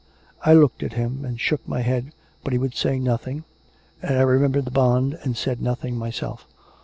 I looked at him and shook my head, but he would say nothing, and I remembered the bond and said nothing myself.